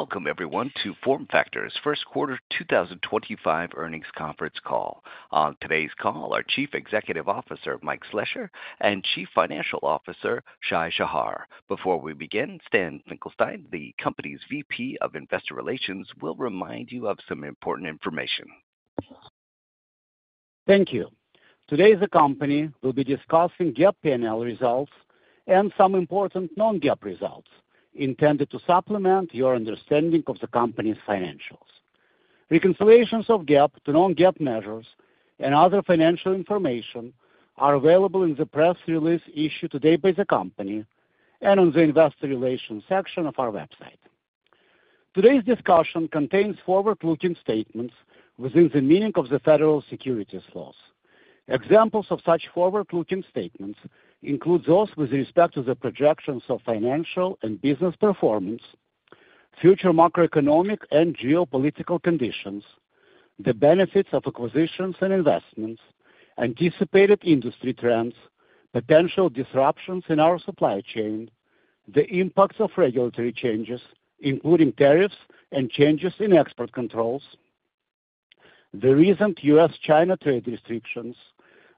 Welcome, everyone, to FormFactor's First Quarter 2025 Earnings Conference Call. On today's call are Chief Executive Officer Mike Slessor and Chief Financial Officer Shai Shahar. Before we begin, Stan Finkelstein, the company's Vice President of Investor Relations, will remind you of some important information. Thank you. Today, the company will be discussing GAAP P&L results and some important non-GAAP results intended to supplement your understanding of the company's financials. Reconciliations of GAAP to non-GAAP measures and other financial information are available in the press release issued today by the company and on the Investor Relations section of our website. Today's discussion contains forward-looking statements within the meaning of the federal securities laws. Examples of such forward-looking statements include those with respect to the projections of financial and business performance, future macroeconomic and geopolitical conditions, the benefits of acquisitions and investments, anticipated industry trends, potential disruptions in our supply chain, the impacts of regulatory changes, including tariffs and changes in export controls, the recent U.S.-China trade restrictions,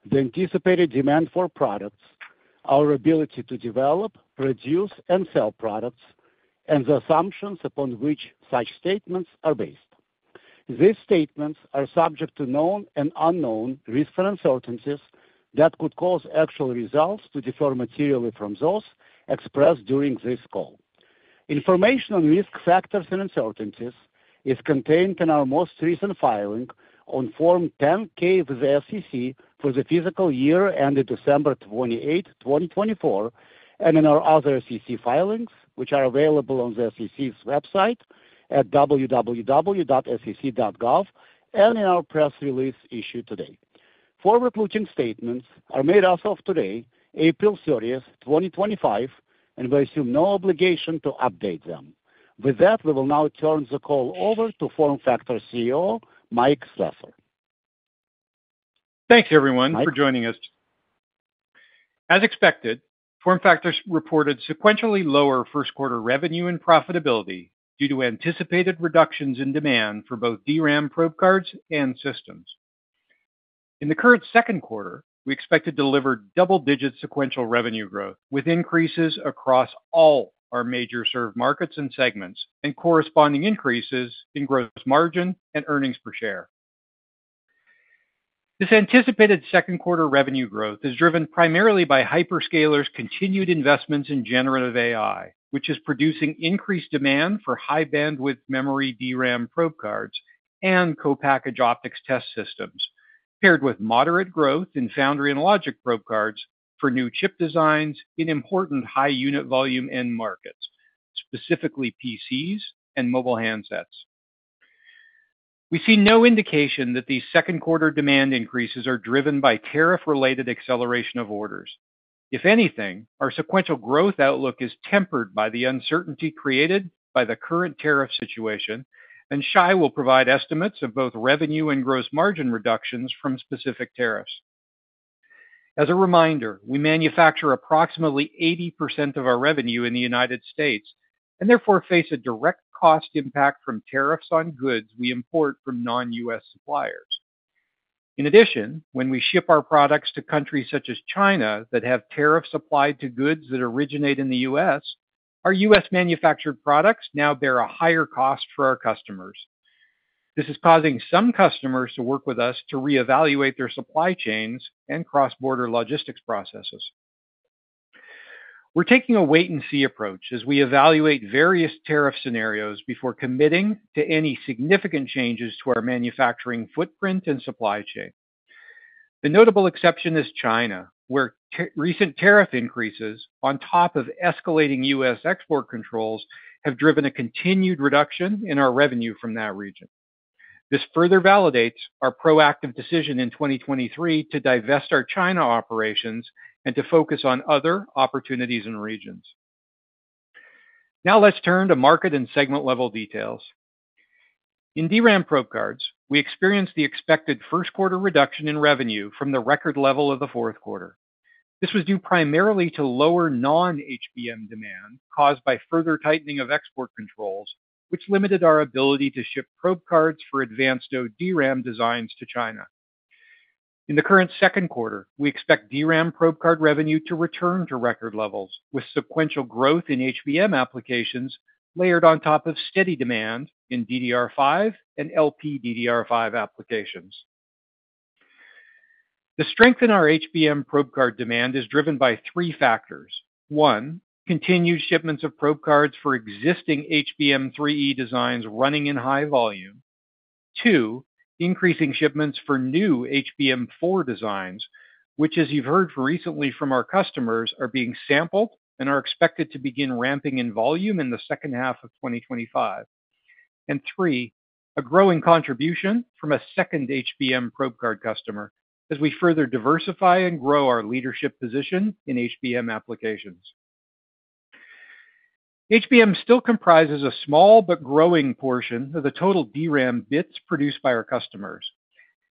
the anticipated demand for products, our ability to develop, produce, and sell products, and the assumptions upon which such statements are based. These statements are subject to known and unknown risks and uncertainties that could cause actual results to differ materially from those expressed during this call. Information on risk factors and uncertainties is contained in our most recent filing on Form 10-K with the SEC for the fiscal year ended December 28, 2024, and in our other SEC filings, which are available on the SEC's website at www.sec.gov and in our press release issued today. Forward-looking statements are made as of today, April 30, 2025, and we assume no obligation to update them. With that, we will now turn the call over to FormFactor CEO Mike Slessor. Thanks, everyone, for joining us. As expected, FormFactor reported sequentially lower first-quarter revenue and profitability due to anticipated reductions in demand for both DRAM probe cards and systems. In the current second quarter, we expect to deliver double-digit sequential revenue growth with increases across all our major served markets and segments and corresponding increases in gross margin and earnings per share. This anticipated second-quarter revenue growth is driven primarily by Hyperscaler's continued investments in generative AI, which is producing increased demand for high-bandwidth memory DRAM probe cards and co-packaged optics test systems, paired with moderate growth in foundry and logic probe cards for new chip designs in important high-unit volume end markets, specifically PCs and mobile handsets. We see no indication that these second-quarter demand increases are driven by tariff-related acceleration of orders. If anything, our sequential growth outlook is tempered by the uncertainty created by the current tariff situation, and Shai will provide estimates of both revenue and gross margin reductions from specific tariffs. As a reminder, we manufacture approximately 80% of our revenue in the United States and therefore face a direct cost impact from tariffs on goods we import from non-U.S. suppliers. In addition, when we ship our products to countries such as China that have tariffs applied to goods that originate in the U.S., our U.S.-manufactured products now bear a higher cost for our customers. This is causing some customers to work with us to reevaluate their supply chains and cross-border logistics processes. We're taking a wait-and-see approach as we evaluate various tariff scenarios before committing to any significant changes to our manufacturing footprint and supply chain. The notable exception is China, where recent tariff increases on top of escalating U.S. export controls have driven a continued reduction in our revenue from that region. This further validates our proactive decision in 2023 to divest our China operations and to focus on other opportunities and regions. Now let's turn to market and segment-level details. In DRAM probe cards, we experienced the expected first-quarter reduction in revenue from the record level of the fourth quarter. This was due primarily to lower non-HBM demand caused by further tightening of export controls, which limited our ability to ship probe cards for advanced DRAM designs to China. In the current second quarter, we expect DRAM probe card revenue to return to record levels, with sequential growth in HBM applications layered on top of steady demand in DDR5 and LPDDR5 applications. The strength in our HBM probe card demand is driven by three factors. One, continued shipments of probe cards for existing HBM3E designs running in high volume. Two, increasing shipments for new HBM4 designs, which, as you've heard recently from our customers, are being sampled and are expected to begin ramping in volume in the second half of 2025. Three, a growing contribution from a second HBM probe card customer as we further diversify and grow our leadership position in HBM applications. HBM still comprises a small but growing portion of the total DRAM bits produced by our customers.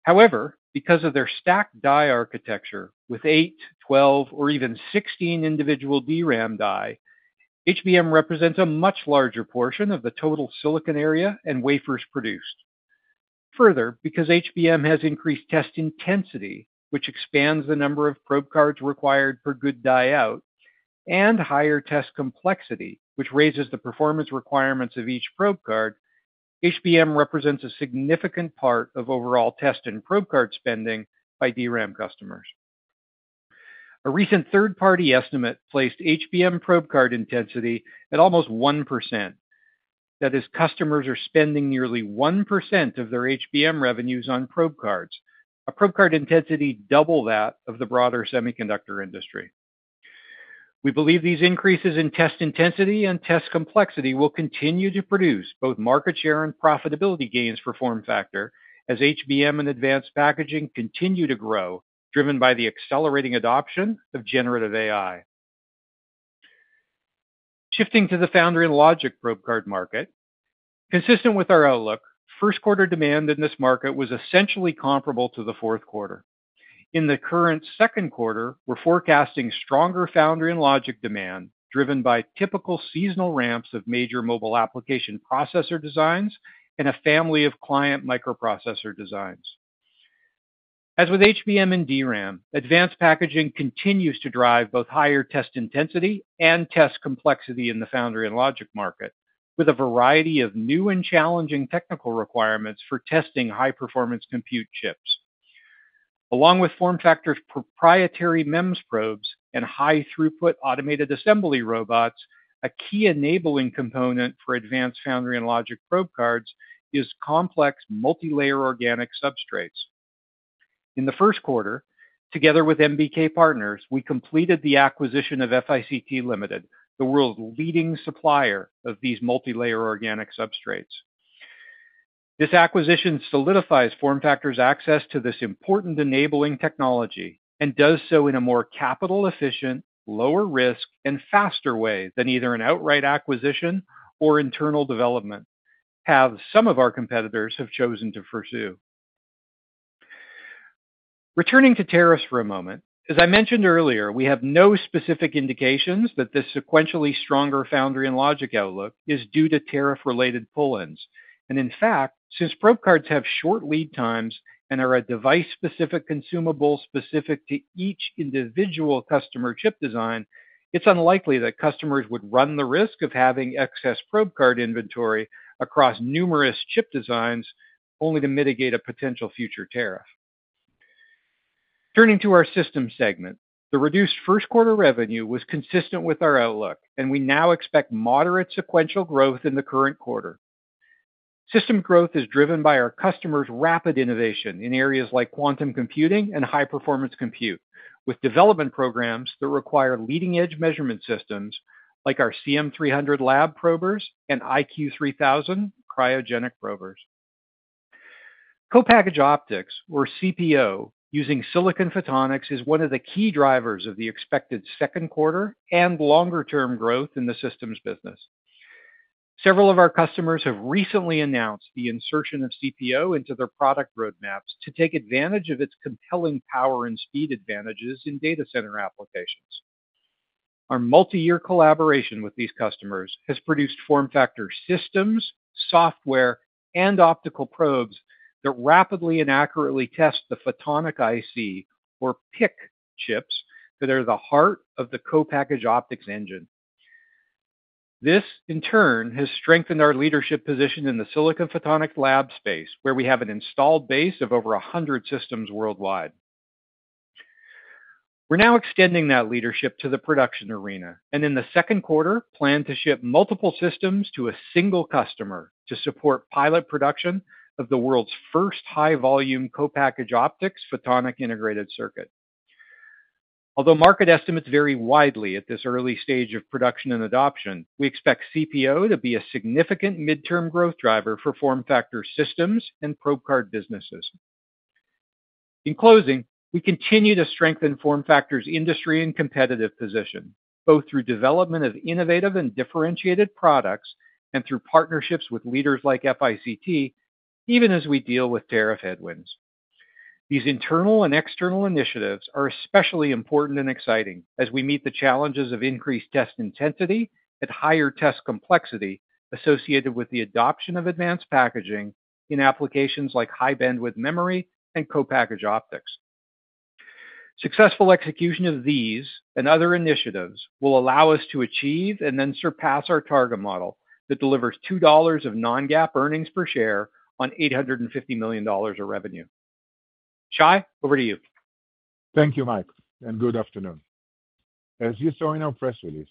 However, because of their stacked die architecture with 8, 12, or even 16 individual DRAM die, HBM represents a much larger portion of the total silicon area and wafers produced. Further, because HBM has increased test intensity, which expands the number of probe cards required per good die out, and higher test complexity, which raises the performance requirements of each probe card, HBM represents a significant part of overall test and probe card spending by DRAM customers. A recent third-party estimate placed HBM probe card intensity at almost 1%. That is, customers are spending nearly 1% of their HBM revenues on probe cards, a probe card intensity double that of the broader semiconductor industry. We believe these increases in test intensity and test complexity will continue to produce both market share and profitability gains for FormFactor as HBM and advanced packaging continue to grow, driven by the accelerating adoption of generative AI. Shifting to the foundry and logic probe card market, consistent with our outlook, first-quarter demand in this market was essentially comparable to the fourth quarter. In the current second quarter, we're forecasting stronger foundry and logic demand driven by typical seasonal ramps of major mobile application processor designs and a family of client microprocessor designs. As with HBM and DRAM, advanced packaging continues to drive both higher test intensity and test complexity in the foundry and logic market, with a variety of new and challenging technical requirements for testing high-performance compute chips. Along with FormFactor's proprietary MEMS probes and high-throughput automated assembly robots, a key enabling component for advanced foundry and logic probe cards is complex multi-layer organic substrates. In the first quarter, together with MBK Partners, we completed the acquisition of FICT Limited, the world's leading supplier of these multi-layer organic substrates. This acquisition solidifies FormFactor's access to this important enabling technology and does so in a more capital-efficient, lower-risk, and faster way than either an outright acquisition or internal development, a path some of our competitors have chosen to pursue. Returning to tariffs for a moment, as I mentioned earlier, we have no specific indications that this sequentially stronger foundry and logic outlook is due to tariff-related pull-ins. In fact, since probe cards have short lead times and are a device-specific consumable specific to each individual customer chip design, it is unlikely that customers would run the risk of having excess probe card inventory across numerous chip designs only to mitigate a potential future tariff. Turning to our system segment, the reduced first-quarter revenue was consistent with our outlook, and we now expect moderate sequential growth in the current quarter. System growth is driven by our customers' rapid innovation in areas like quantum computing and high-performance compute, with development programs that require leading-edge measurement systems like our CM300 lab probers and IQ3000 cryogenic probers. Co-package optics, or CPO, using silicon photonics is one of the key drivers of the expected second quarter and longer-term growth in the systems business. Several of our customers have recently announced the insertion of CPO into their product roadmaps to take advantage of its compelling power and speed advantages in data center applications. Our multi-year collaboration with these customers has produced FormFactor systems, software, and optical probes that rapidly and accurately test the photonic IC, or PIC, chips that are the heart of the co-packaged optics engine. This, in turn, has strengthened our leadership position in the silicon photonics lab space, where we have an installed base of over 100 systems worldwide. We're now extending that leadership to the production arena, and in the second quarter, plan to ship multiple systems to a single customer to support pilot production of the world's first high-volume co-packaged optics photonic integrated circuit. Although market estimates vary widely at this early stage of production and adoption, we expect CPO to be a significant midterm growth driver for FormFactor systems and probe card businesses. In closing, we continue to strengthen FormFactor's industry and competitive position, both through development of innovative and differentiated products and through partnerships with leaders like FICT, even as we deal with tariff headwinds. These internal and external initiatives are especially important and exciting as we meet the challenges of increased test intensity and higher test complexity associated with the adoption of advanced packaging in applications like high-bandwidth memory and co-packaged optics. Successful execution of these and other initiatives will allow us to achieve and then surpass our target model that delivers $2 of non-GAAP earnings per share on $850 million of revenue. Shai, over to you. Thank you, Mike, and good afternoon. As you saw in our press release,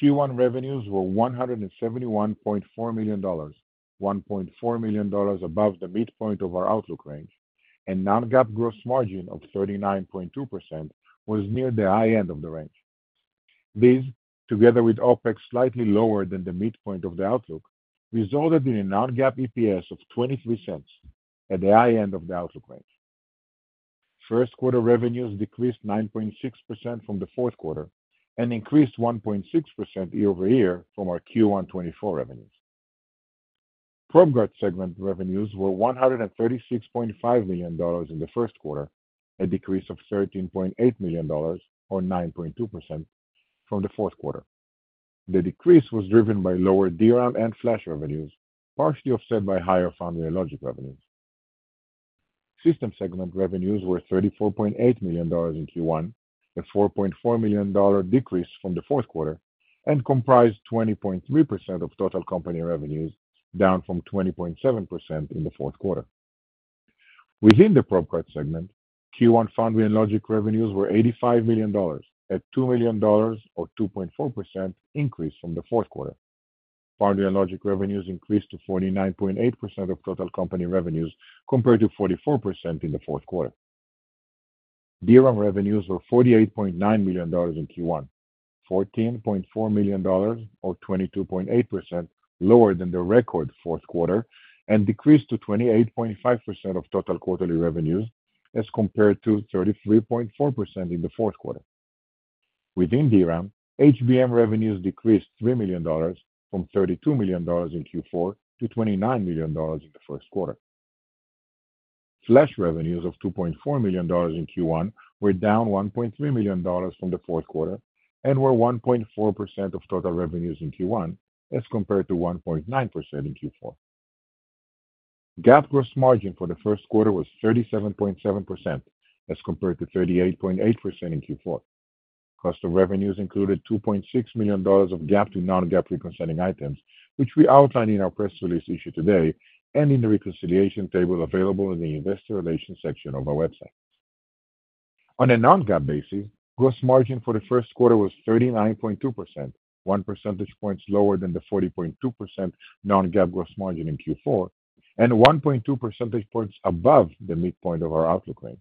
Q1 revenues were $171.4 million, $1.4 million above the midpoint of our outlook range, and non-GAAP gross margin of 39.2% was near the high end of the range. This, together with OpEx slightly lower than the midpoint of the outlook, resulted in a non-GAAP EPS of $0.23 at the high end of the outlook range. First-quarter revenues decreased 9.6% from the fourth quarter and increased 1.6% year over year from our Q1 2024 revenues. Probe card segment revenues were $136.5 million in the first quarter, a decrease of $13.8 million, or 9.2%, from the fourth quarter. The decrease was driven by lower DRAM and flash revenues, partially offset by higher foundry and logic revenues. System segment revenues were $34.8 million in Q1, a $4.4 million decrease from the fourth quarter, and comprised 20.3% of total company revenues, down from 20.7% in the fourth quarter. Within the probe card segment, Q1 foundry and logic revenues were $85 million, a $2 million, or 2.4%, increase from the fourth quarter. Foundry and logic revenues increased to 49.8% of total company revenues compared to 44% in the fourth quarter. DRAM revenues were $48.9 million in Q1, $14.4 million, or 22.8%, lower than the record fourth quarter, and decreased to 28.5% of total quarterly revenues as compared to 33.4% in the fourth quarter. Within DRAM, HBM revenues decreased $3 million from $32 million in Q4 to $29 million in the first quarter. Flash revenues of $2.4 million in Q1 were down $1.3 million from the fourth quarter and were 1.4% of total revenues in Q1 as compared to 1.9% in Q4. GAAP gross margin for the first quarter was 37.7% as compared to 38.8% in Q4. Cost of revenues included $2.6 million of GAAP to non-GAAP representing items, which we outlined in our press release issued today and in the reconciliation table available in the investor relations section of our website. On a non-GAAP basis, gross margin for the first quarter was 39.2%, one percentage point lower than the 40.2% non-GAAP gross margin in Q4, and 1.2 percentage points above the midpoint of our outlook range.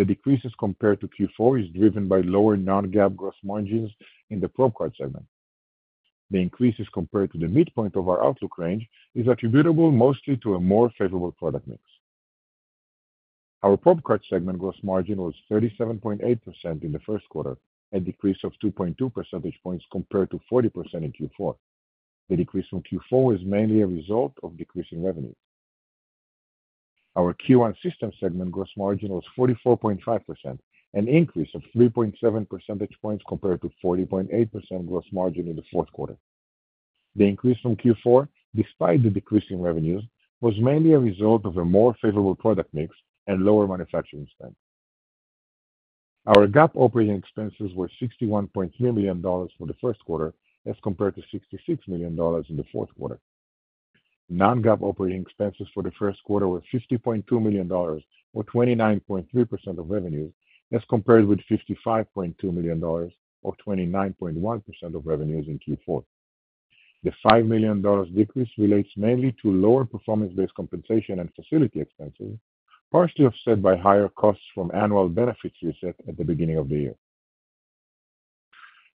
The decrease as compared to Q4 is driven by lower non-GAAP gross margins in the probe card segment. The increase as compared to the midpoint of our outlook range is attributable mostly to a more favorable product mix. Our probe card segment gross margin was 37.8% in the first quarter, a decrease of 2.2 percentage points compared to 40% in Q4. The decrease from Q4 is mainly a result of decreasing revenues. Our Q1 system segment gross margin was 44.5%, an increase of 3.7 percentage points compared to 40.8% gross margin in the fourth quarter. The increase from Q4, despite the decreasing revenues, was mainly a result of a more favorable product mix and lower manufacturing spend. Our GAAP operating expenses were $61.3 million for the first quarter as compared to $66 million in the fourth quarter. Non-GAAP operating expenses for the first quarter were $50.2 million, or 29.3% of revenues, as compared with $55.2 million, or 29.1% of revenues in Q4. The $5 million decrease relates mainly to lower performance-based compensation and facility expenses, partially offset by higher costs from annual benefits reset at the beginning of the year.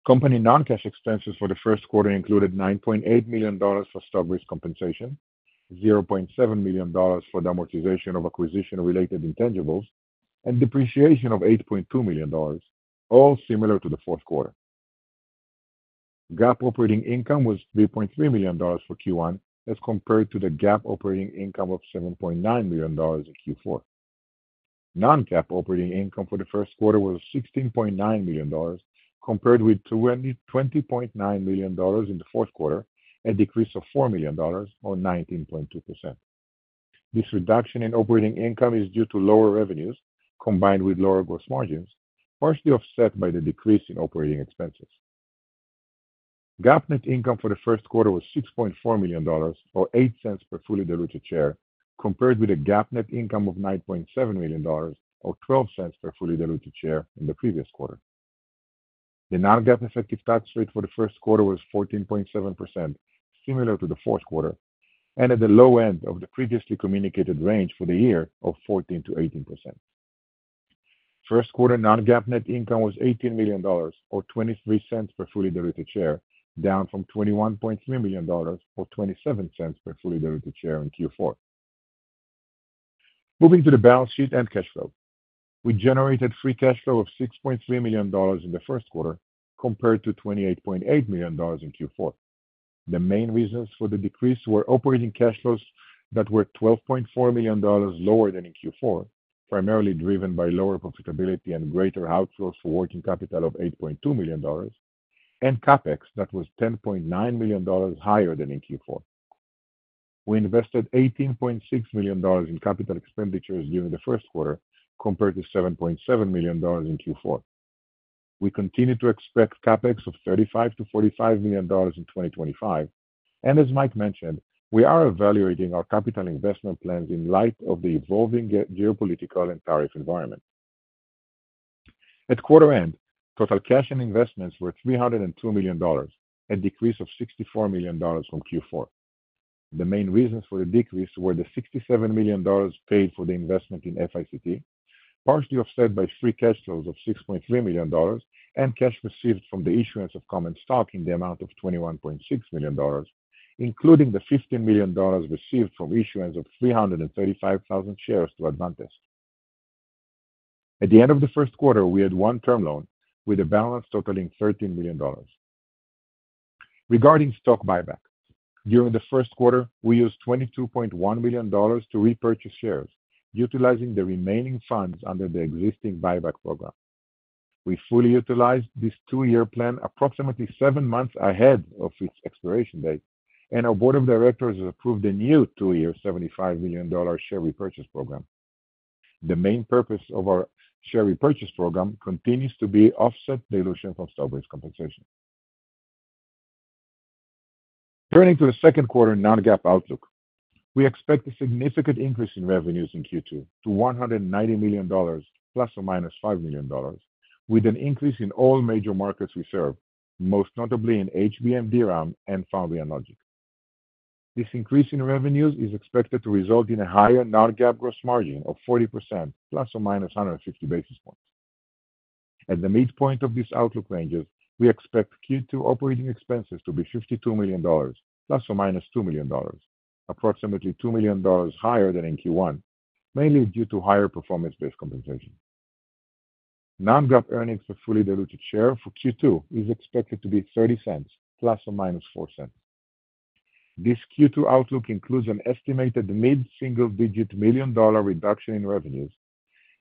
Company non-cash expenses for the first quarter included $9.8 million for stock-based compensation, $0.7 million for the amortization of acquisition-related intangibles, and depreciation of $8.2 million, all similar to the fourth quarter. GAAP operating income was $3.3 million for Q1 as compared to the GAAP operating income of $7.9 million in Q4. Non-GAAP operating income for the first quarter was $16.9 million, compared with $20.9 million in the fourth quarter, a decrease of $4 million, or 19.2%. This reduction in operating income is due to lower revenues combined with lower gross margins, partially offset by the decrease in operating expenses. GAAP net income for the first quarter was $6.4 million, or $0.08 per fully diluted share, compared with a GAAP net income of $9.7 million, or $0.12 per fully diluted share in the previous quarter. The non-GAAP effective tax rate for the first quarter was 14.7%, similar to the fourth quarter, and at the low end of the previously communicated range for the year of 14%-18%. First quarter non-GAAP net income was $18 million, or $0.23 per fully diluted share, down from $21.3 million, or $0.27 per fully diluted share in Q4. Moving to the balance sheet and cash flow. We generated free cash flow of $6.3 million in the first quarter compared to $28.8 million in Q4. The main reasons for the decrease were operating cash flows that were $12.4 million lower than in Q4, primarily driven by lower profitability and greater outflows for working capital of $8.2 million, and CapEx that was $10.9 million higher than in Q4. We invested $18.6 million in capital expenditures during the first quarter compared to $7.7 million in Q4. We continue to expect CapEx of $35-$45 million in 2025, and as Mike mentioned, we are evaluating our capital investment plans in light of the evolving geopolitical and tariff environment. At quarter end, total cash and investments were $302 million, a decrease of $64 million from Q4. The main reasons for the decrease were the $67 million paid for the investment in FICT, partially offset by free cash flows of $6.3 million, and cash received from the issuance of common stock in the amount of $21.6 million, including the $15 million received from issuance of 335,000 shares to Advantest. At the end of the first quarter, we had one term loan with a balance totaling $13 million. Regarding stock buyback, during the first quarter, we used $22.1 million to repurchase shares, utilizing the remaining funds under the existing buyback program. We fully utilized this two-year plan approximately seven months ahead of its expiration date, and our board of directors has approved a new two-year $75 million share repurchase program. The main purpose of our share repurchase program continues to be offset dilution from stock risk compensation. Turning to the second quarter non-GAAP outlook, we expect a significant increase in revenues in Q2 to $190 million, plus or minus $5 million, with an increase in all major markets we serve, most notably in HBM, DRAM, and foundry and logic. This increase in revenues is expected to result in a higher non-GAAP gross margin of 40%, plus or minus 150 basis points. At the midpoint of these outlook ranges, we expect Q2 operating expenses to be $52 million, plus or minus $2 million, approximately $2 million higher than in Q1, mainly due to higher performance-based compensation. Non-GAAP earnings for fully diluted share for Q2 is expected to be $0.30, plus or minus $0.04. This Q2 outlook includes an estimated mid-single-digit million-dollar reduction in revenues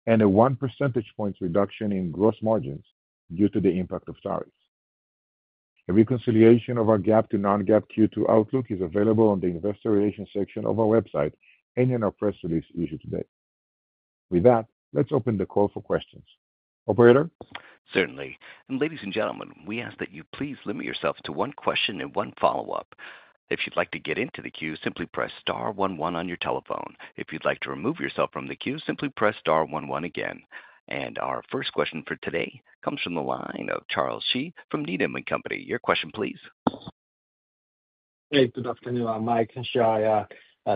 and a 1 percentage point reduction in gross margins due to the impact of tariffs. A reconciliation of our GAAP to non-GAAP Q2 outlook is available on the investor relations section of our website and in our press release issued today. With that, let's open the call for questions. Operator? Certainly. Ladies and gentlemen, we ask that you please limit yourself to one question and one follow-up. If you'd like to get into the queue, simply press star one one on your telephone. If you'd like to remove yourself from the queue, simply press star one one again. Our first question for today comes from the line of Charles Shi from Needham & Company. Your question, please. Hey, good afternoon. Mike and Shai,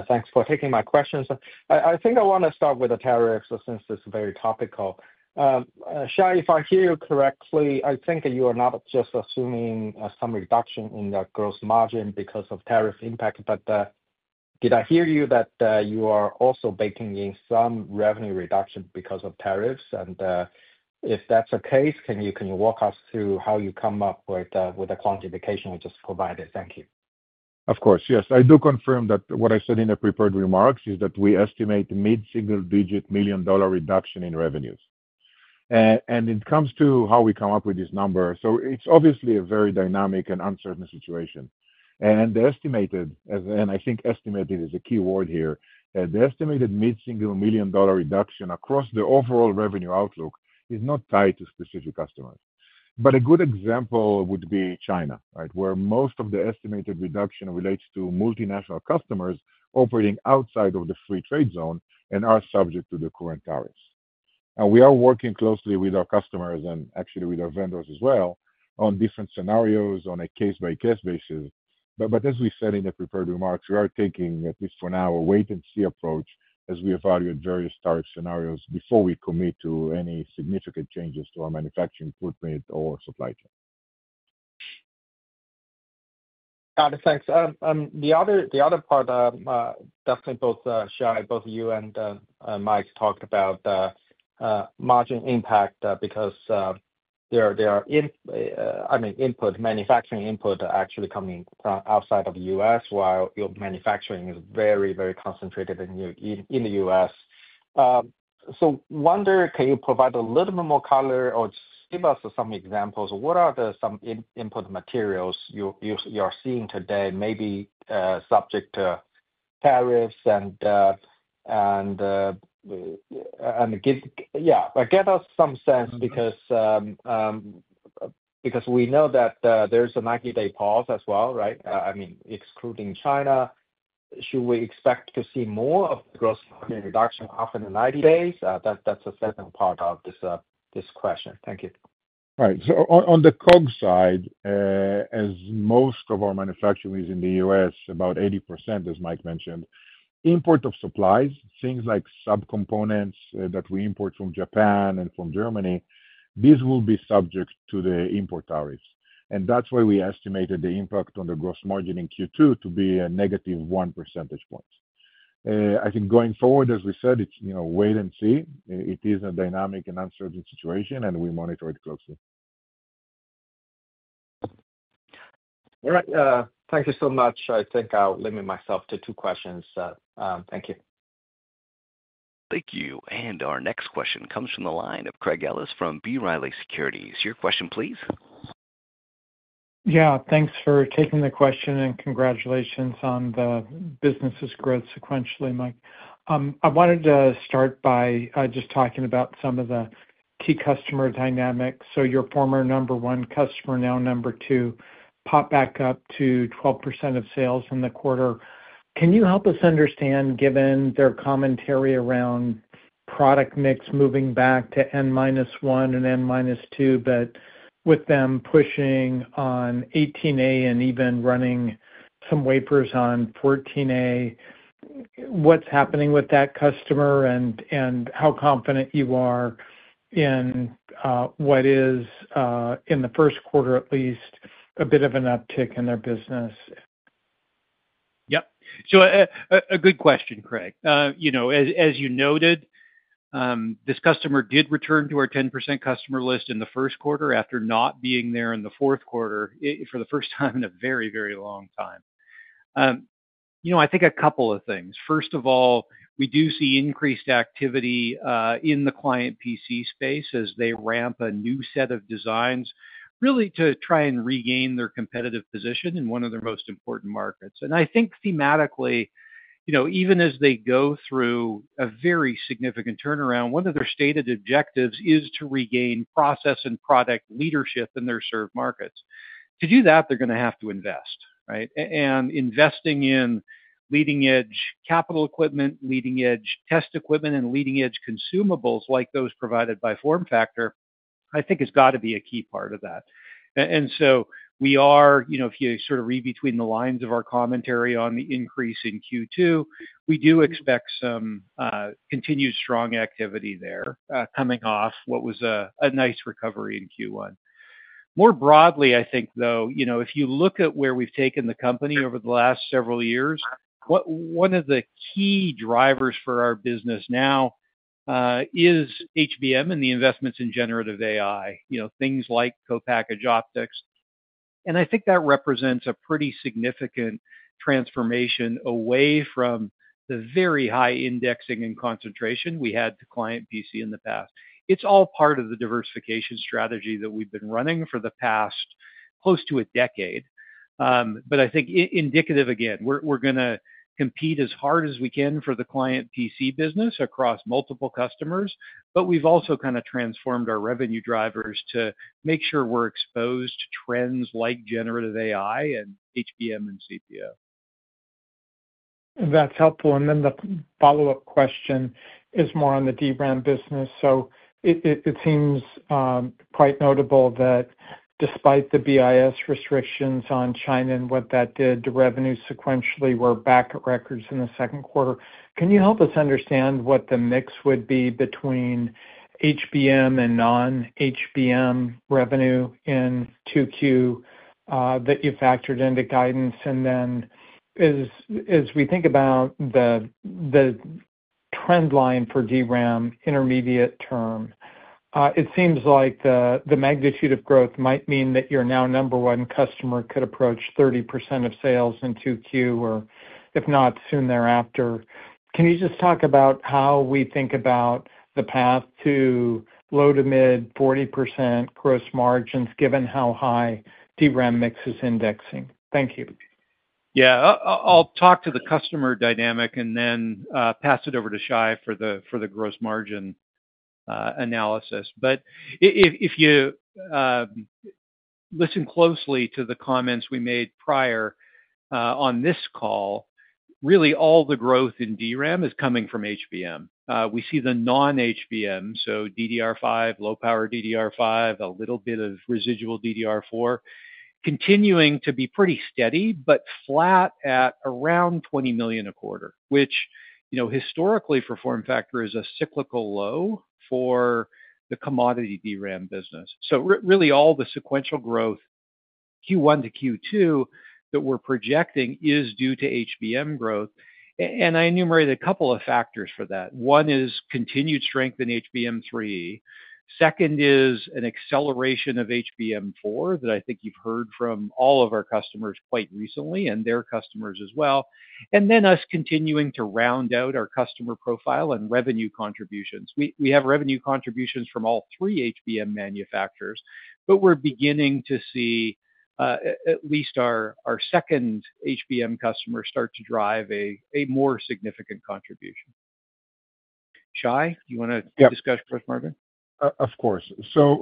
thanks for taking my questions. I think I want to start with the tariffs since it's very topical. Shai, if I hear you correctly, I think you are not just assuming some reduction in the gross margin because of tariff impact, but did I hear you that you are also baking in some revenue reduction because of tariffs? If that's the case, can you walk us through how you come up with the quantification you just provided? Thank you. Of course, yes. I do confirm that what I said in the prepared remarks is that we estimate mid-single-digit million-dollar reduction in revenues. It comes to how we come up with this number. It is obviously a very dynamic and uncertain situation. The estimated, and I think estimated is a key word here, the estimated mid-single million-dollar reduction across the overall revenue outlook is not tied to specific customers. A good example would be China, where most of the estimated reduction relates to multinational customers operating outside of the free trade zone and are subject to the current tariffs. We are working closely with our customers and actually with our vendors as well on different scenarios on a case-by-case basis. As we said in the prepared remarks, we are taking, at least for now, a wait-and-see approach as we evaluate various tariff scenarios before we commit to any significant changes to our manufacturing footprint or supply chain. Got it. Thanks. The other part, definitely both Shai, both you and Mike talked about margin impact because there are input, manufacturing input actually coming outside of the U.S., while your manufacturing is very, very concentrated in the U.S. I wonder, can you provide a little bit more color or give us some examples? What are some input materials you are seeing today, maybe subject to tariffs and give us some sense because we know that there's a 90-day pause as well, right? I mean, excluding China, should we expect to see more of the gross margin reduction after the 90 days? That's a second part of this question. Thank you. Right. On the COGS side, as most of our manufacturing is in the U.S., about 80%, as Mike mentioned, import of supplies, things like subcomponents that we import from Japan and from Germany, these will be subject to the import tariffs. That is why we estimated the impact on the gross margin in Q2 to be a negative 1 percentage point. I think going forward, as we said, it is wait and see. It is a dynamic and uncertain situation, and we monitor it closely. All right. Thank you so much. I think I'll limit myself to two questions. Thank you. Thank you. Our next question comes from the line of Craig Ellis from B. Riley Securities. Your question, please. Yeah. Thanks for taking the question and congratulations on the business's growth sequentially, Mike. I wanted to start by just talking about some of the key customer dynamics. Your former number one customer, now number two, popped back up to 12% of sales in the quarter. Can you help us understand, given their commentary around product mix moving back to N minus one and N minus two, but with them pushing on 18A and even running some wafers on 14A, what's happening with that customer and how confident you are in what is, in the first quarter at least, a bit of an uptick in their business? Yep. A good question, Craig. As you noted, this customer did return to our 10% customer list in the first quarter after not being there in the fourth quarter for the first time in a very, very long time. I think a couple of things. First of all, we do see increased activity in the client PC space as they ramp a new set of designs, really to try and regain their competitive position in one of their most important markets. I think thematically, even as they go through a very significant turnaround, one of their stated objectives is to regain process and product leadership in their served markets. To do that, they're going to have to invest, right? Investing in leading-edge capital equipment, leading-edge test equipment, and leading-edge consumables like those provided by FormFactor, I think has got to be a key part of that. We are, if you sort of read between the lines of our commentary on the increase in Q2, expecting some continued strong activity there coming off what was a nice recovery in Q1. More broadly, I think, though, if you look at where we've taken the company over the last several years, one of the key drivers for our business now is HBM and the investments in generative AI, things like co-package optics. I think that represents a pretty significant transformation away from the very high indexing and concentration we had to client PC in the past. It's all part of the diversification strategy that we've been running for the past close to a decade. I think indicative, again, we're going to compete as hard as we can for the client PC business across multiple customers, but we've also kind of transformed our revenue drivers to make sure we're exposed to trends like generative AI and HBM and CPO. That's helpful. The follow-up question is more on the DRAM business. It seems quite notable that despite the BIS restrictions on China and what that did, the revenues sequentially were back at records in the second quarter. Can you help us understand what the mix would be between HBM and non-HBM revenue in Q2 that you factored into guidance? As we think about the trend line for DRAM, intermediate term, it seems like the magnitude of growth might mean that your now number one customer could approach 30% of sales in Q2 or, if not, soon thereafter. Can you just talk about how we think about the path to low to mid 40% gross margins given how high DRAM mix is indexing? Thank you. Yeah. I'll talk to the customer dynamic and then pass it over to Shai for the gross margin analysis. If you listen closely to the comments we made prior on this call, really all the growth in DRAM is coming from HBM. We see the non-HBM, so DDR5, low-power DDR5, a little bit of residual DDR4, continuing to be pretty steady but flat at around $20 million a quarter, which historically for FormFactor is a cyclical low for the commodity DRAM business. Really all the sequential growth Q1 to Q2 that we're projecting is due to HBM growth. I enumerate a couple of factors for that. One is continued strength in HBM3. Second is an acceleration of HBM4 that I think you've heard from all of our customers quite recently and their customers as well. Us continuing to round out our customer profile and revenue contributions. We have revenue contributions from all three HBM manufacturers, but we're beginning to see at least our second HBM customer start to drive a more significant contribution. Shai, do you want to discuss gross margin? Of course.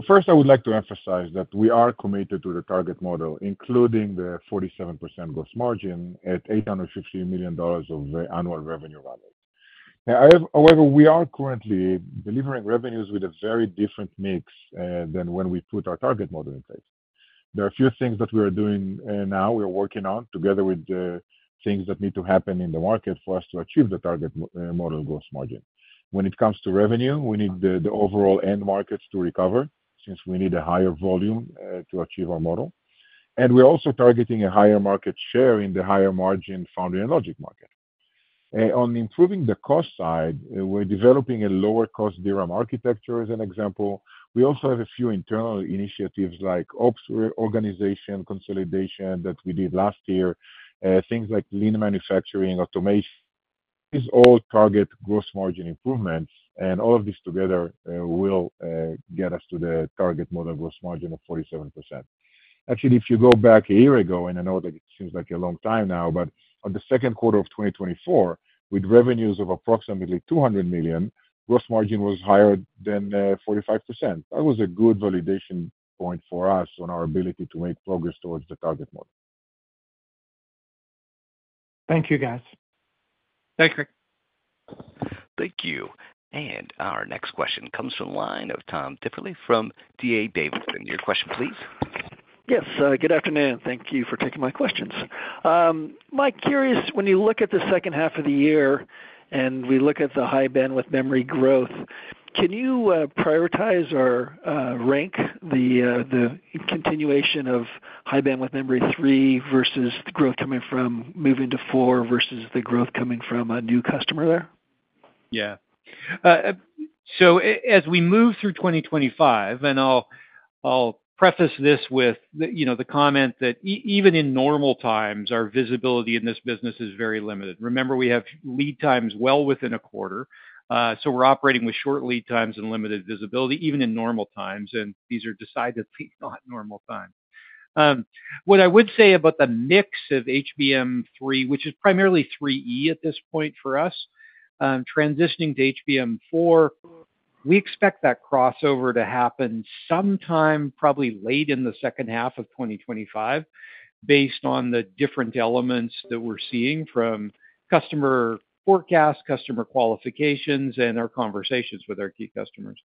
First, I would like to emphasize that we are committed to the target model, including the 47% gross margin at $850 million of annual revenue runway. However, we are currently delivering revenues with a very different mix than when we put our target model in place. There are a few things that we are doing now. We are working on together with the things that need to happen in the market for us to achieve the target model gross margin. When it comes to revenue, we need the overall end markets to recover since we need a higher volume to achieve our model. We are also targeting a higher market share in the higher margin foundry and logic market. On improving the cost side, we are developing a lower-cost DRAM architecture as an example. We also have a few internal initiatives like OPS organization consolidation that we did last year, things like lean manufacturing automation, all target gross margin improvements. All of this together will get us to the target model gross margin of 47%. Actually, if you go back a year ago, and I know that it seems like a long time now, but in the second quarter of 2024, with revenues of approximately $200 million, gross margin was higher than 45%. That was a good validation point for us on our ability to make progress towards the target model. Thank you, guys. Thank you. Thank you. Our next question comes from the line of Tom Diffely from D.A. Davidson. Your question, please. Yes. Good afternoon. Thank you for taking my questions. Mike, curious, when you look at the second half of the year and we look at the high bandwidth memory growth, can you prioritize or rank the continuation of high bandwidth memory 3 versus the growth coming from moving to 4 versus the growth coming from a new customer there? Yeah. As we move through 2025, and I'll preface this with the comment that even in normal times, our visibility in this business is very limited. Remember, we have lead times well within a quarter. We're operating with short lead times and limited visibility even in normal times. These are decidedly not normal times. What I would say about the mix of HBM3, which is primarily 3E at this point for us, transitioning to HBM4, we expect that crossover to happen sometime probably late in the second half of 2025 based on the different elements that we're seeing from customer forecasts, customer qualifications, and our conversations with our key customers.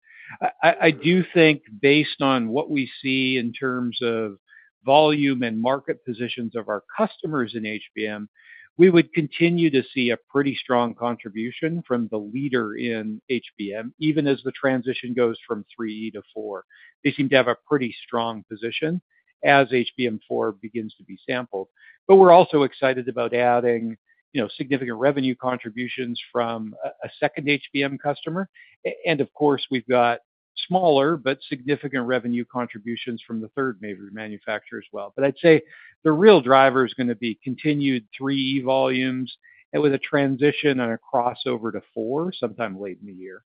I do think based on what we see in terms of volume and market positions of our customers in HBM, we would continue to see a pretty strong contribution from the leader in HBM, even as the transition goes from 3E to 4. They seem to have a pretty strong position as HBM4 begins to be sampled. We are also excited about adding significant revenue contributions from a second HBM customer. Of course, we have got smaller but significant revenue contributions from the third major manufacturer as well. I would say the real driver is going to be continued 3E volumes and with a transition and a crossover to 4 sometime late in the year.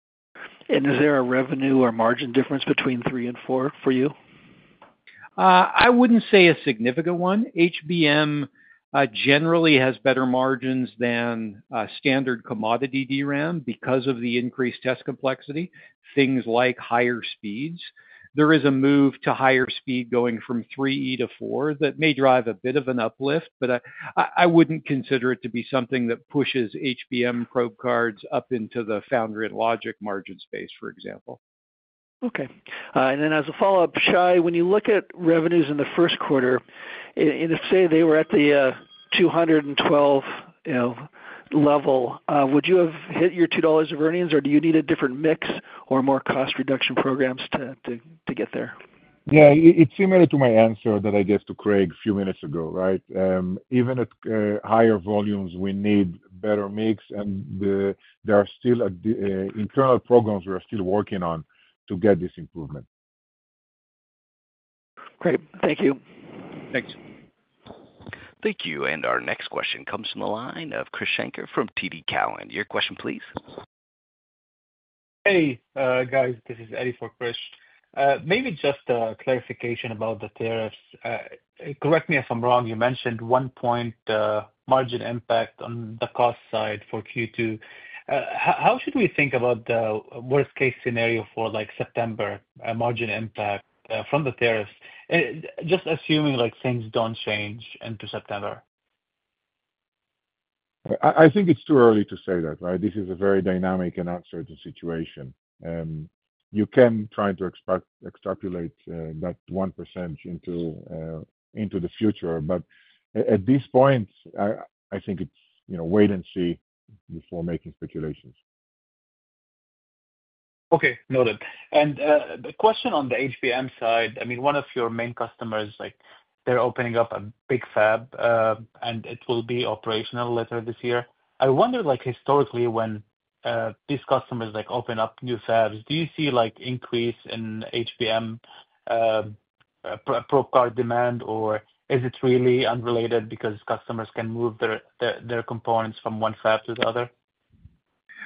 Is there a revenue or margin difference between 3 and 4 for you? I wouldn't say a significant one. HBM generally has better margins than standard commodity DRAM because of the increased test complexity, things like higher speeds. There is a move to higher speed going from 3E to 4 that may drive a bit of an uplift, but I wouldn't consider it to be something that pushes HBM probe cards up into the foundry and logic margin space, for example. Okay. As a follow-up, Shai, when you look at revenues in the first quarter, and if, say, they were at the $212 level, would you have hit your $2 of earnings, or do you need a different mix or more cost reduction programs to get there? Yeah. It's similar to my answer that I gave to Craig a few minutes ago, right? Even at higher volumes, we need better mix, and there are still internal programs we are still working on to get this improvement. Great. Thank you. Thanks. Thank you. Our next question comes from the line of Krish Sankar from TD Cowen. Your question, please. Hey, guys. This is Eddy for Krish. Maybe just a clarification about the tariffs. Correct me if I'm wrong. You mentioned one point, margin impact on the cost side for Q2. How should we think about the worst-case scenario for September margin impact from the tariffs, just assuming things don't change into September? I think it's too early to say that, right? This is a very dynamic and uncertain situation. You can try to extrapolate that 1% into the future, but at this point, I think it's wait and see before making speculations. Okay. Noted. The question on the HBM side, I mean, one of your main customers, they're opening up a big fab, and it will be operational later this year. I wonder, historically, when these customers open up new fabs, do you see an increase in HBM probe card demand, or is it really unrelated because customers can move their components from one fab to the other?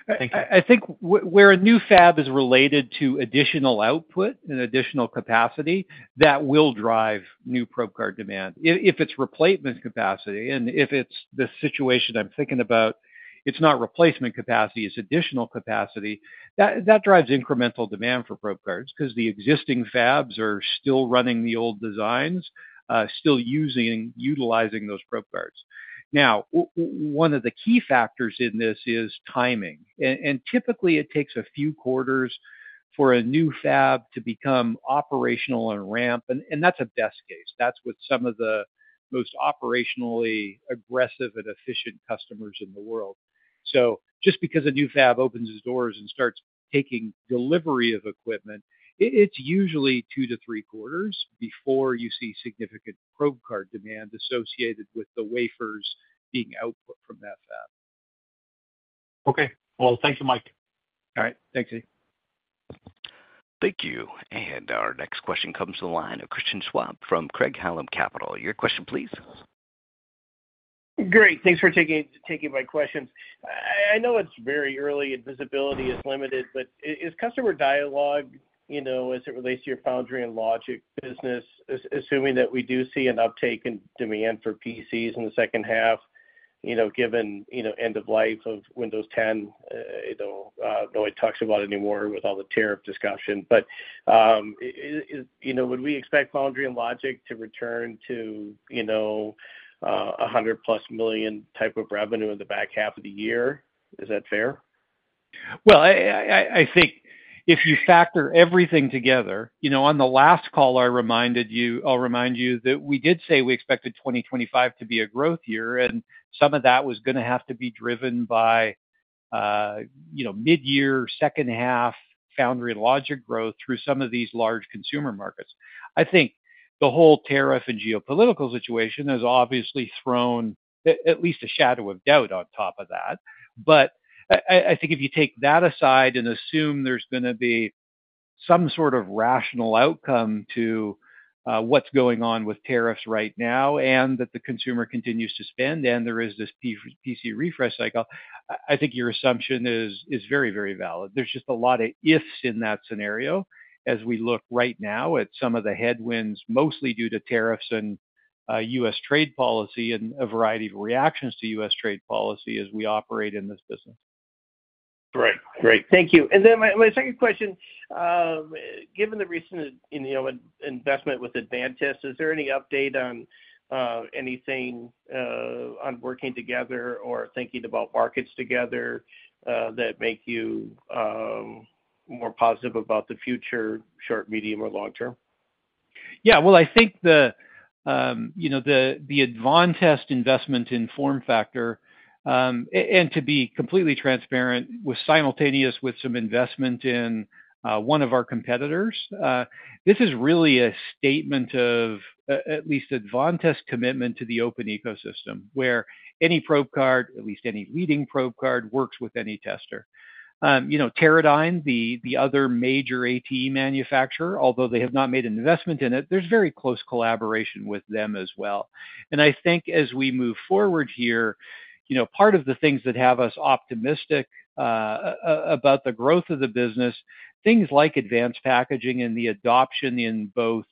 I think where a new fab is related to additional output and additional capacity, that will drive new probe card demand. If it's replacement capacity, and if it's the situation I'm thinking about, it's not replacement capacity, it's additional capacity, that drives incremental demand for probe cards because the existing fabs are still running the old designs, still utilizing those probe cards. Now, one of the key factors in this is timing. Typically, it takes a few quarters for a new fab to become operational and ramp, and that's a best case. That's with some of the most operationally aggressive and efficient customers in the world. Just because a new fab opens its doors and starts taking delivery of equipment, it's usually two to three quarters before you see significant probe card demand associated with the wafers being output from that fab. Okay. Thank you, Mike. All right. Thanks, Eddy. Thank you. Our next question comes from the line of Christian Schwab from Craig-Hallum Capital. Your question, please. Great. Thanks for taking my questions. I know it's very early and visibility is limited, but is customer dialogue as it relates to your foundry and logic business, assuming that we do see an uptake in demand for PCs in the second half, given the end of life of Windows 10? No one talks about it anymore with all the tariff discussion. Would we expect foundry and logic to return to a $100 million-plus type of revenue in the back half of the year? Is that fair? I think if you factor everything together, on the last call, I reminded you that we did say we expected 2025 to be a growth year, and some of that was going to have to be driven by mid-year, second half foundry and logic growth through some of these large consumer markets. I think the whole tariff and geopolitical situation has obviously thrown at least a shadow of doubt on top of that. I think if you take that aside and assume there's going to be some sort of rational outcome to what's going on with tariffs right now and that the consumer continues to spend and there is this PC refresh cycle, I think your assumption is very, very valid. There's just a lot of ifs in that scenario as we look right now at some of the headwinds, mostly due to tariffs and U.S. trade policy and a variety of reactions to U.S. trade policy as we operate in this business. Right. Great. Thank you. My second question, given the recent investment with Advantest, is there any update on anything on working together or thinking about markets together that make you more positive about the future, short, medium, or long term? Yeah. I think the Advantest investment in FormFactor, and to be completely transparent, was simultaneous with some investment in one of our competitors. This is really a statement of at least Advantest's commitment to the open ecosystem, where any probe card, at least any leading probe card, works with any tester. Teradyne, the other major ATE manufacturer, although they have not made an investment in it, there's very close collaboration with them as well. I think as we move forward here, part of the things that have us optimistic about the growth of the business, things like advanced packaging and the adoption in both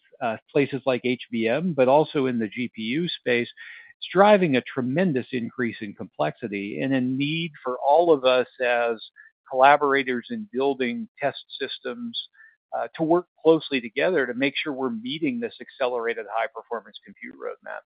places like HBM, but also in the GPU space, is driving a tremendous increase in complexity and a need for all of us as collaborators in building test systems to work closely together to make sure we're meeting this accelerated high-performance compute roadmap.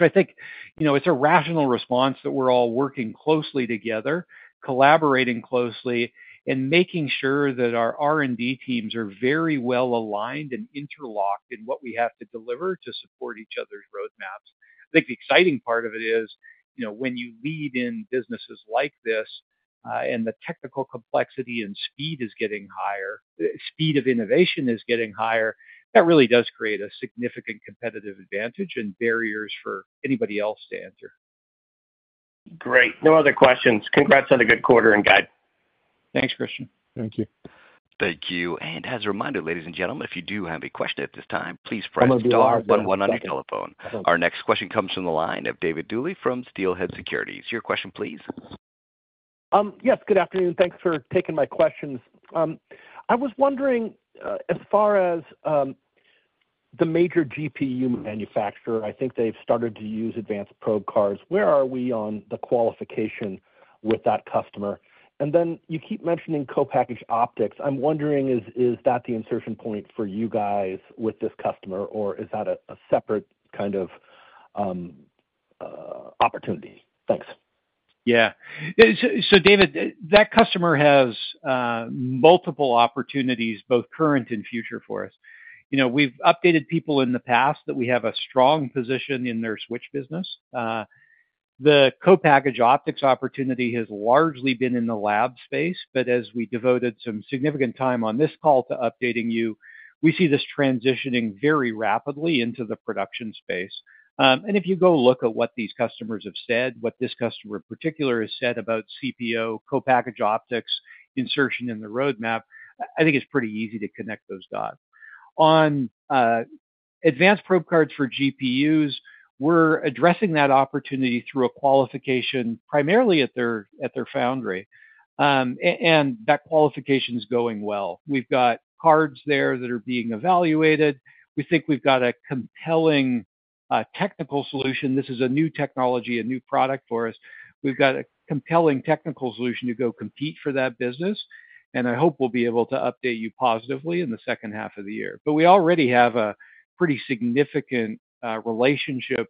I think it's a rational response that we're all working closely together, collaborating closely, and making sure that our R&D teams are very well aligned and interlocked in what we have to deliver to support each other's roadmaps. I think the exciting part of it is when you lead in businesses like this and the technical complexity and speed is getting higher, the speed of innovation is getting higher, that really does create a significant competitive advantage and barriers for anybody else to enter. Great. No other questions. Congrats on a good quarter, and Good. Thanks, Christian. Thank you. Thank you. As a reminder, ladies and gentlemen, if you do have a question at this time, please press the star one one on your telephone. Our next question comes from the line of David Duley from Steelhead Securities. Your question, please. Yes. Good afternoon. Thanks for taking my questions. I was wondering, as far as the major GPU manufacturer, I think they've started to use advanced probe cards. Where are we on the qualification with that customer? You keep mentioning co-package optics. I'm wondering, is that the insertion point for you guys with this customer, or is that a separate kind of opportunity? Thanks. Yeah. David, that customer has multiple opportunities, both current and future for us. We've updated people in the past that we have a strong position in their switch business. The co-package optics opportunity has largely been in the lab space, but as we devoted some significant time on this call to updating you, we see this transitioning very rapidly into the production space. If you go look at what these customers have said, what this customer in particular has said about CPO, co-package optics, insertion in the roadmap, I think it's pretty easy to connect those dots. On advanced probe cards for GPUs, we're addressing that opportunity through a qualification primarily at their foundry, and that qualification is going well. We've got cards there that are being evaluated. We think we've got a compelling technical solution. This is a new technology, a new product for us. We've got a compelling technical solution to go compete for that business, and I hope we'll be able to update you positively in the second half of the year. We already have a pretty significant relationship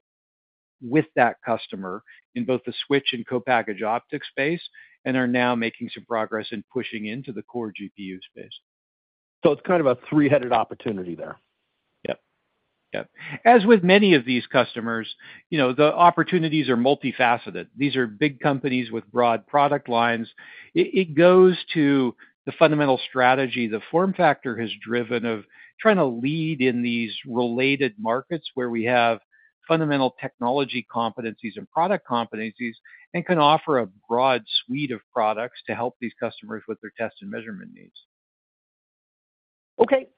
with that customer in both the switch and co-package optics space and are now making some progress and pushing into the core GPU space. It is kind of a three-headed opportunity there? Yep. Yep. As with many of these customers, the opportunities are multifaceted. These are big companies with broad product lines. It goes to the fundamental strategy that FormFactor has driven of trying to lead in these related markets where we have fundamental technology competencies and product competencies and can offer a broad suite of products to help these customers with their test and measurement needs. Okay.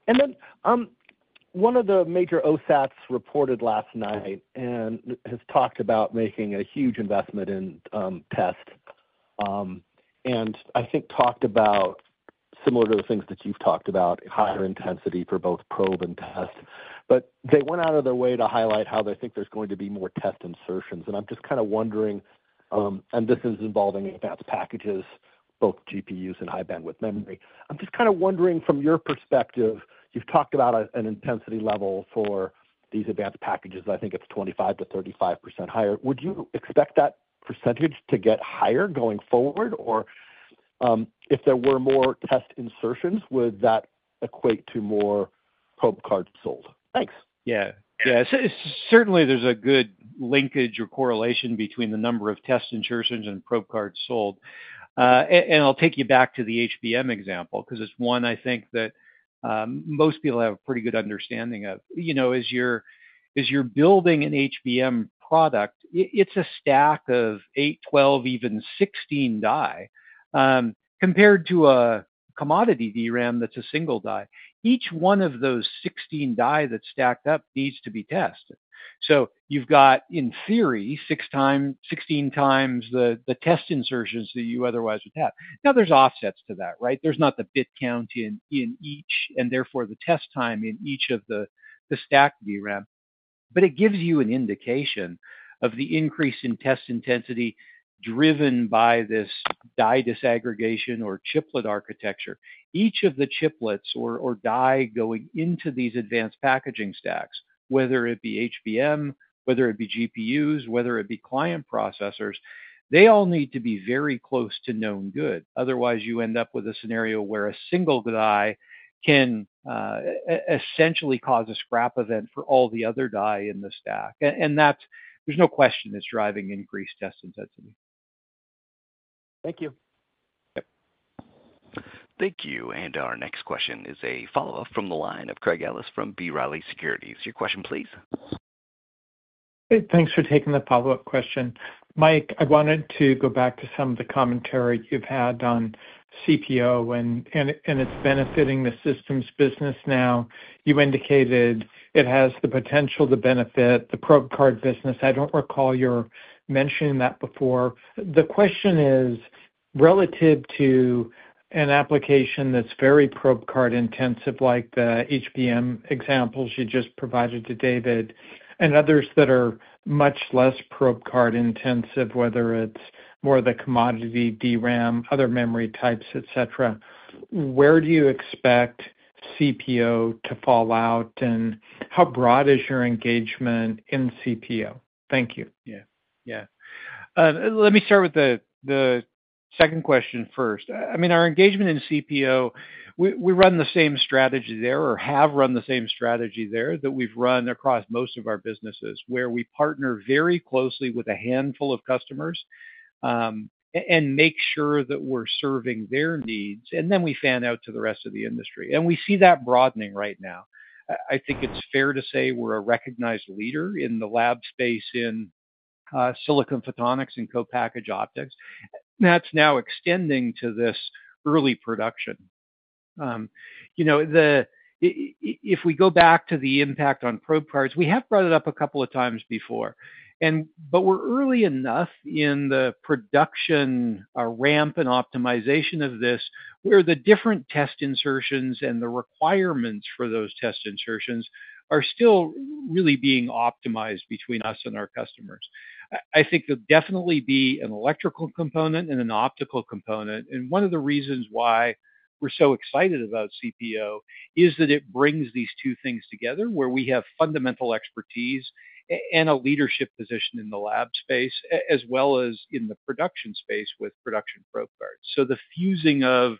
One of the major OSATs reported last night and has talked about making a huge investment in test and I think talked about similar to the things that you've talked about, higher intensity for both probe and test. They went out of their way to highlight how they think there's going to be more test insertions. I'm just kind of wondering, and this is involving advanced packages, both GPUs and high bandwidth memory. I'm just kind of wondering, from your perspective, you've talked about an intensity level for these advanced packages. I think it's 25%-35% higher. Would you expect that percentage to get higher going forward? If there were more test insertions, would that equate to more probe cards sold? Thanks. Yeah. Yeah. Certainly, there's a good linkage or correlation between the number of test insertions and probe cards sold. I'll take you back to the HBM example because it's one I think that most people have a pretty good understanding of. As you're building an HBM product, it's a stack of 8, 12, even 16 die compared to a commodity DRAM that's a single die. Each one of those 16 die that's stacked up needs to be tested. You've got, in theory, 16 times the test insertions that you otherwise would have. Now, there's offsets to that, right? There's not the bit count in each, and therefore the test time in each of the stacked DRAM. It gives you an indication of the increase in test intensity driven by this die disaggregation or chiplet architecture. Each of the chiplets or die going into these advanced packaging stacks, whether it be HBM, whether it be GPUs, whether it be client processors, they all need to be very close to known good. Otherwise, you end up with a scenario where a single die can essentially cause a scrap event for all the other die in the stack. There is no question it is driving increased test intensity. Thank you. Yep. Thank you. Our next question is a follow-up from the line of Craig Ellis from B. Riley Securities. Your question, please. Hey, thanks for taking the follow-up question. Mike, I wanted to go back to some of the commentary you've had on CPO and its benefiting the systems business now. You indicated it has the potential to benefit the probe card business. I don't recall your mentioning that before. The question is relative to an application that's very probe card intensive, like the HBM examples you just provided to David, and others that are much less probe card intensive, whether it's more of the commodity DRAM, other memory types, etc. Where do you expect CPO to fall out, and how broad is your engagement in CPO? Thank you. Yeah. Yeah. Let me start with the second question first. I mean, our engagement in CPO, we run the same strategy there or have run the same strategy there that we've run across most of our businesses, where we partner very closely with a handful of customers and make sure that we're serving their needs, and then we fan out to the rest of the industry. We see that broadening right now. I think it's fair to say we're a recognized leader in the lab space in silicon photonics and co-package optics. That's now extending to this early production. If we go back to the impact on probe cards, we have brought it up a couple of times before, but we're early enough in the production ramp and optimization of this where the different test insertions and the requirements for those test insertions are still really being optimized between us and our customers. I think there'll definitely be an electrical component and an optical component. One of the reasons why we're so excited about CPO is that it brings these two things together where we have fundamental expertise and a leadership position in the lab space as well as in the production space with production probe cards. The fusing of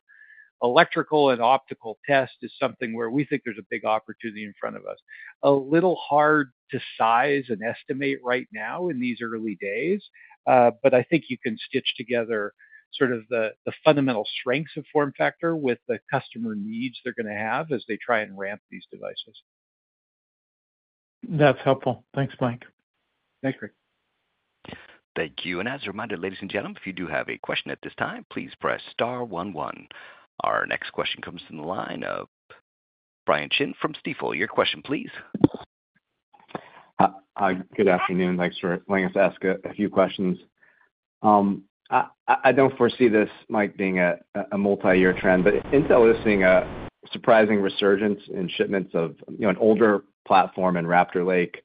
electrical and optical test is something where we think there's a big opportunity in front of us. A little hard to size and estimate right now in these early days, but I think you can stitch together sort of the fundamental strengths of FormFactor with the customer needs they're going to have as they try and ramp these devices. That's helpful. Thanks, Mike. Thanks, Craig. Thank you. As a reminder, ladies and gentlemen, if you do have a question at this time, please press star one one. Our next question comes from the line of Brian Chin from Stifel. Your question, please. Hi. Good afternoon. Thanks for letting us ask a few questions. I do not foresee this, Mike, being a multi-year trend, but Intel is seeing a surprising resurgence in shipments of an older platform in Raptor Lake.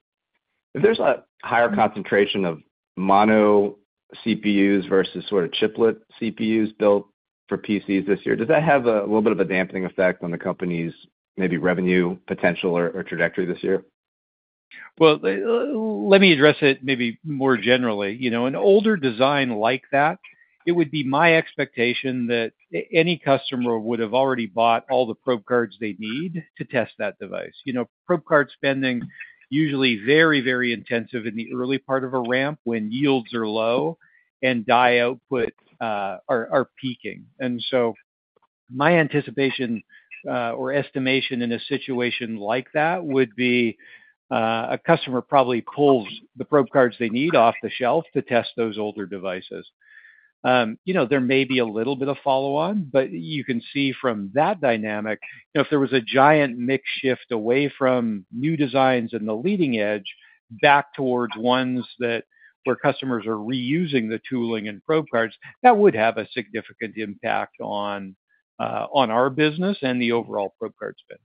If there is a higher concentration of mono CPUs versus sort of chiplet CPUs built for PCs this year, does that have a little bit of a dampening effect on the company's maybe revenue potential or trajectory this year? Let me address it maybe more generally. An older design like that, it would be my expectation that any customer would have already bought all the probe cards they need to test that device. Probe card spending is usually very, very intensive in the early part of a ramp when yields are low and die outputs are peaking. My anticipation or estimation in a situation like that would be a customer probably pulls the probe cards they need off the shelf to test those older devices. There may be a little bit of follow-on, but you can see from that dynamic, if there was a giant mix shift away from new designs in the leading edge back towards ones where customers are reusing the tooling and probe cards, that would have a significant impact on our business and the overall probe card spend.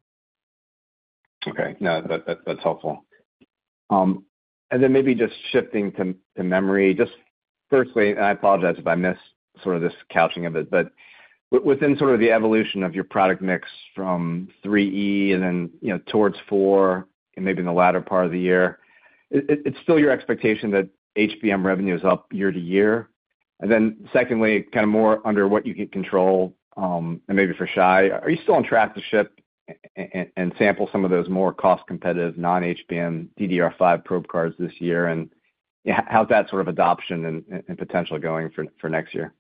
Okay. No, that's helpful. Maybe just shifting to memory, just firstly, and I apologize if I missed sort of this couching of it, but within sort of the evolution of your product mix from 3E and then towards 4 and maybe in the latter part of the year, it's still your expectation that HBM revenue is up year to year? Secondly, kind of more under what you can control and maybe for Shai, are you still on track to ship and sample some of those more cost-competitive non-HBM DDR5 probe cards this year? How's that sort of adoption and potential going for next year?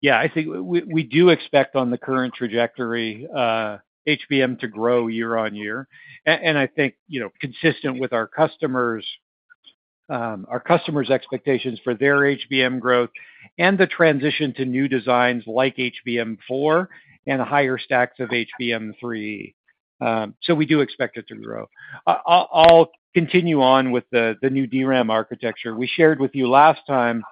Yeah. I think we do expect on the current trajectory HBM to grow year on year. I think consistent with our customers' expectations for their HBM growth and the transition to new designs like HBM4 and higher stacks of HBM3E. We do expect it to grow. I'll continue on with the new DRAM architecture. We shared with you last time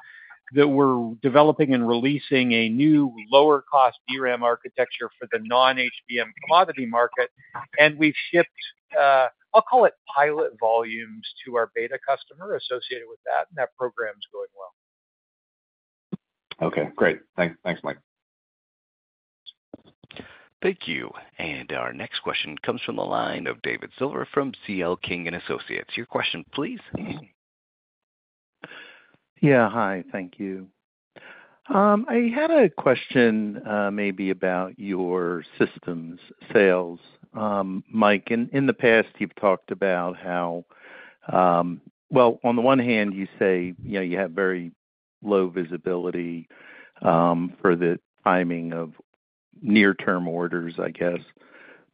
that we're developing and releasing a new lower-cost DRAM architecture for the non-HBM commodity market, and we've shipped, I'll call it pilot volumes, to our beta customer associated with that, and that program's going well. Okay. Great. Thanks, Mike. Thank you. Our next question comes from the line of David Silver from C.L. King & Associates. Your question, please. Yeah. Hi. Thank you. I had a question maybe about your systems sales. Mike, in the past, you've talked about how, on the one hand, you say you have very low visibility for the timing of near-term orders, I guess,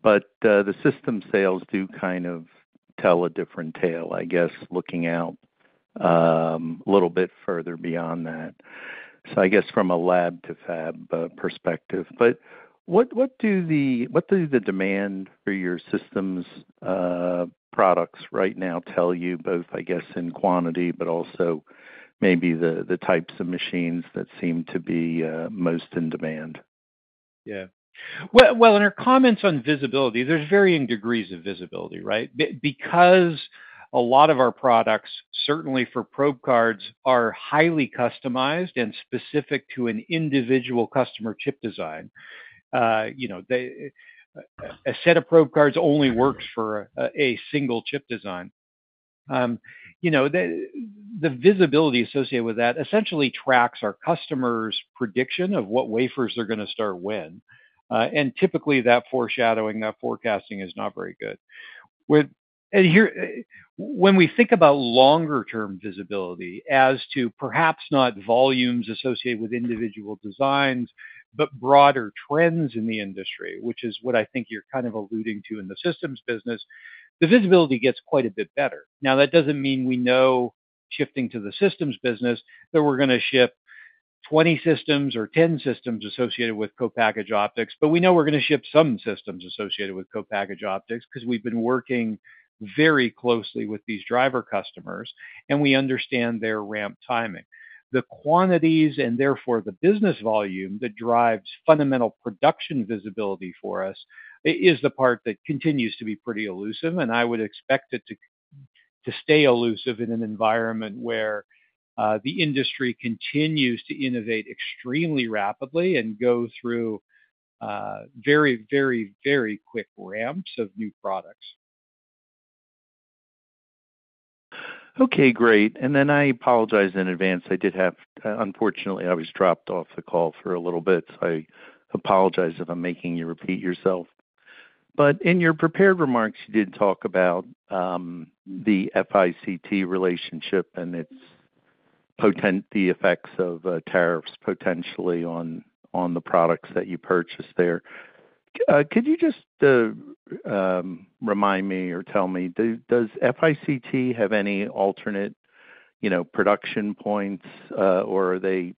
but the system sales do kind of tell a different tale, I guess, looking out a little bit further beyond that. I guess from a lab-to-fab perspective. What do the demand for your systems products right now tell you, both, I guess, in quantity, but also maybe the types of machines that seem to be most in demand? Yeah. In our comments on visibility, there's varying degrees of visibility, right? Because a lot of our products, certainly for probe cards, are highly customized and specific to an individual customer chip design. A set of probe cards only works for a single chip design. The visibility associated with that essentially tracks our customer's prediction of what wafers they're going to start when. Typically, that foreshadowing, that forecasting is not very good. When we think about longer-term visibility as to perhaps not volumes associated with individual designs, but broader trends in the industry, which is what I think you're kind of alluding to in the systems business, the visibility gets quite a bit better. Now, that doesn't mean we know shifting to the systems business that we're going to ship 20 systems or 10 systems associated with co-package optics, but we know we're going to ship some systems associated with co-package optics because we've been working very closely with these driver customers, and we understand their ramp timing. The quantities and therefore the business volume that drives fundamental production visibility for us is the part that continues to be pretty elusive, and I would expect it to stay elusive in an environment where the industry continues to innovate extremely rapidly and go through very, very, very quick ramps of new products. Okay. Great. I apologize in advance. Unfortunately, I was dropped off the call for a little bit, so I apologize if I'm making you repeat yourself. In your prepared remarks, you did talk about the FICT relationship and the effects of tariffs potentially on the products that you purchase there. Could you just remind me or tell me, does FICT have any alternate production points, or are they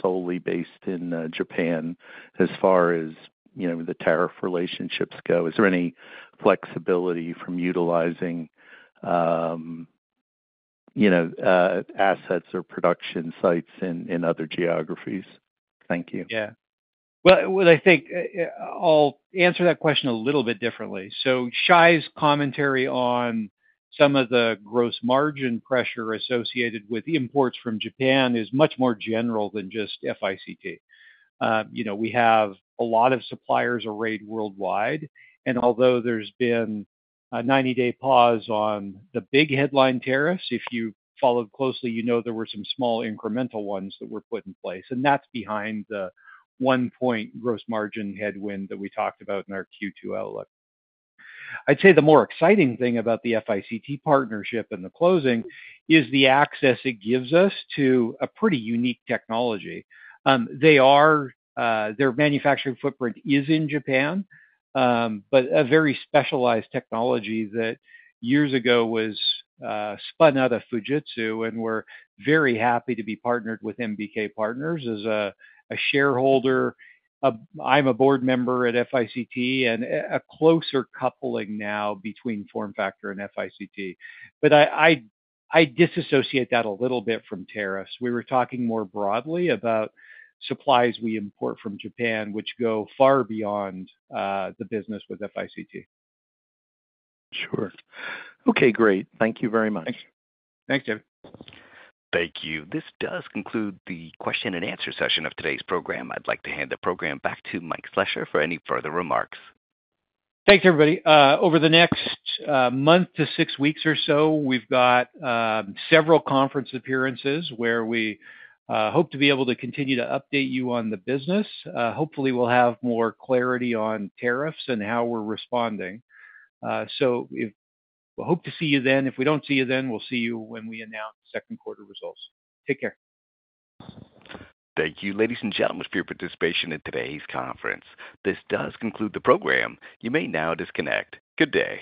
solely based in Japan as far as the tariff relationships go? Is there any flexibility from utilizing assets or production sites in other geographies? Thank you. Yeah. I think I'll answer that question a little bit differently. Shai's commentary on some of the gross margin pressure associated with imports from Japan is much more general than just FICT. We have a lot of suppliers arrayed worldwide, and although there's been a 90-day pause on the big headline tariffs, if you followed closely, you know there were some small incremental ones that were put in place. That's behind the one-point gross margin headwind that we talked about in our Q2 outlook. I'd say the more exciting thing about the FICT partnership and the closing is the access it gives us to a pretty unique technology. Their manufacturing footprint is in Japan, but a very specialized technology that years ago was spun out of Fujitsu, and we're very happy to be partnered with MBK Partners as a shareholder. I'm a board member at FICT and a closer coupling now between FormFactor and FICT. I disassociate that a little bit from tariffs. We were talking more broadly about supplies we import from Japan, which go far beyond the business with FICT. Sure. Okay. Great. Thank you very much. Thanks. Thanks, David. Thank you. This does conclude the question-and-answer session of today's program. I'd like to hand the program back to Mike Slessor for any further remarks. Thanks, everybody. Over the next month to six weeks or so, we've got several conference appearances where we hope to be able to continue to update you on the business. Hopefully, we'll have more clarity on tariffs and how we're responding. We hope to see you then. If we don't see you then, we'll see you when we announce second quarter results. Take care. Thank you, ladies and gentlemen, for your participation in today's conference. This does conclude the program. You may now disconnect. Good day.